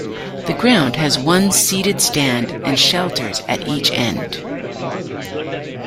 The ground has one seated stand and shelters at each end.